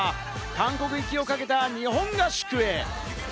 韓国行きをかけた日本合宿へ。